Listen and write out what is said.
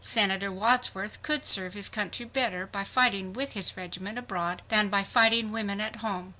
SENATOR WADSWORTH COULD SERVE HIS COUNTRY BETTER BY FIGHTING WITH HIS REGIMENT ABROAD THAN BY FIGHTING WOMEN AT HOME.